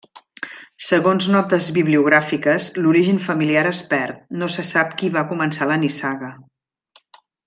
Segons notes bibliogràfiques, l'origen familiar es perd, no se sap qui va començar la nissaga.